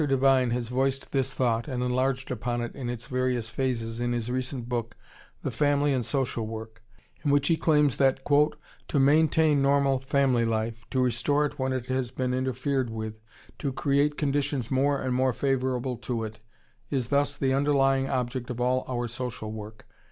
Devine has voiced this thought and enlarged upon it in its various phases in his recent book, "The Family and Social Work," in which he claims that "To maintain normal family life, to restore it when it has been interfered with, to create conditions more and more favorable to it, is thus the underlying object of all our social work.